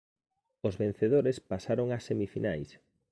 Os vencedores pasaron ás semifinais.